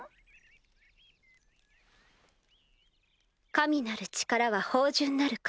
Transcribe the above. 神なる力は芳醇なる糧。